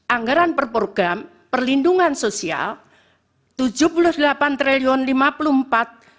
anggaran perprogram perlindungan sosial rp tujuh puluh delapan lima puluh empat satu ratus sembilan puluh enam tujuh ratus enam puluh tujuh